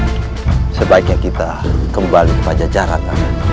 raden sebaiknya kita kembali ke pajajaran pak man